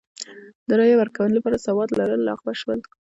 د رایې ورکونې لپاره سواد لرل لغوه شول.